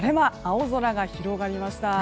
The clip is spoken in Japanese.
青空が広がりました。